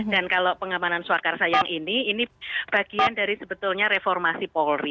dan kalau pengalamanan suakarsa yang ini ini bagian dari sebetulnya reformasi polri